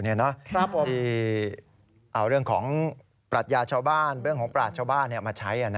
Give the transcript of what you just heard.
ที่เอาเรื่องของปรัชญาชาวบ้านเรื่องของปราชชาวบ้านมาใช้